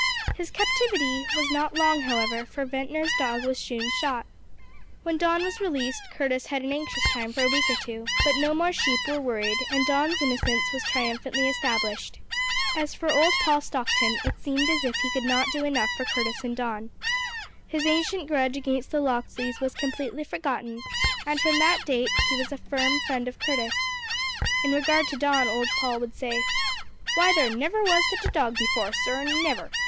His captivity was not long, however, for Ventnor's dog was soon shot. When Don was released, Curtis had an anxious time for a week or two. But no more sheep were worried, and Don's innocence was triumphantly established. As for old Paul Stockton, it seemed as if he could not do enough for Curtis and Don. His ancient grudge against the Locksleys was completely forgotten, and from that date he was a firm friend of Curtis. In regard to Don, old Paul would say: "Why, there never was such a dog before, sir, never!